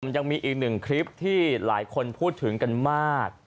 ยังมีอีกหนึ่งคลิปที่หลายคนพูดถึงกันมาก